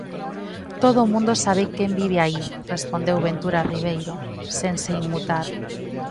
_Todo o mundo sabe quen vive aí_ respondeu Ventura Ribeiro, sen se inmutar.